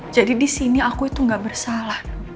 jadi disini aku itu gak bersalah